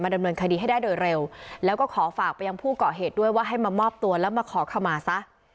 ดำเนินคดีให้ได้โดยเร็วแล้วก็ขอฝากไปยังผู้เกาะเหตุด้วยว่าให้มามอบตัวแล้วมาขอขมาซะ